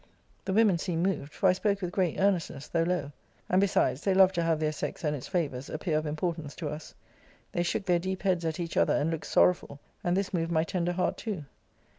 The women seemed moved; for I spoke with great earnestness, though low and besides, they love to have their sex, and its favours, appear of importance to us. They shook their deep heads at each other, and looked sorrowful: and this moved my tender heart too.